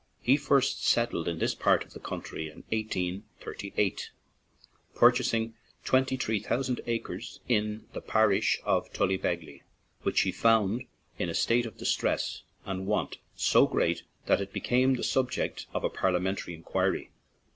He first settled in this part of the country in 1838, purchasing twenty three thousand acres in the parish of Tulla ghobegly, which he found in a state of distress and want so great that it became the subject of a parliamentary inquiry.